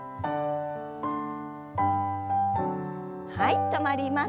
はい止まります。